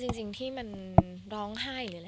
คือจริงที่มันร้องไห้